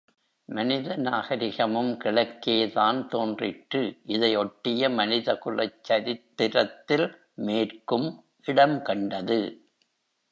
மனித நாகரிகமும் கிழக்கேதான் தோன்றிற்று. இதையொட்டிய மனிதகுலச் சரித்திரத்தில் மேற்கும் இடம் கண்டது.